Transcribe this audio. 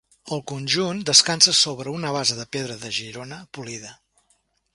El conjunt descansa sobre una base de pedra de Girona polida.